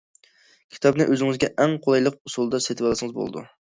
كىتابنى ئۆزىڭىزگە ئەڭ قولايلىق ئۇسۇلدا سېتىۋالسىڭىز بولىدۇ.